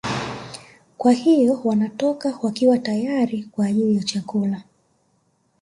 Kwa hiyo wanatoka wakiwa tayari kwa ajili ya chakula